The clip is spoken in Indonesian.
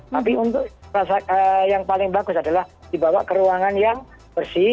tapi untuk yang paling bagus adalah dibawa ke ruangan yang bersih